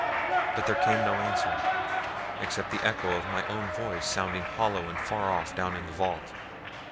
But there came no answer, except the echo of my own voice sounding hollow and far off down in the vault.